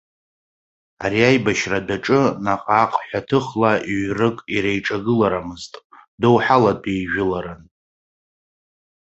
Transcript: Ари аибашьра адәаҿы наҟ-ааҟ ҳәаҭыхла ҩ-рык иреиҿагыларамызт, доуҳалатәи еижәыларан.